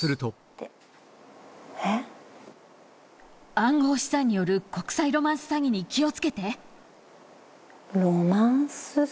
「暗号資産による国際ロマンス詐欺に気をつけて」